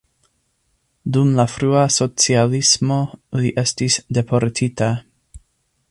Dum la frua socialismo li estis deportita.